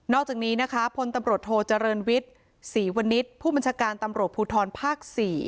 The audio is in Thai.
อกจากนี้นะคะพลตำรวจโทเจริญวิทย์ศรีวณิชย์ผู้บัญชาการตำรวจภูทรภาค๔